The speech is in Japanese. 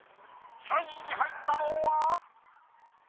３位に入ったのは。